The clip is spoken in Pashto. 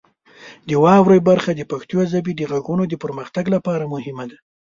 د واورئ برخه د پښتو ژبې د غږونو د پرمختګ لپاره مهمه برخه ده.